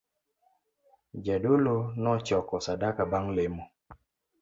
Jadolo nochoko sadaka bang' lemo